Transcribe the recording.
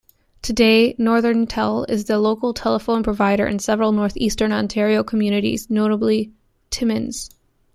Today, NorthernTel is the local telephone provider in several Northeastern Ontario communities, notably Timmins.